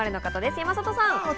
山里さん。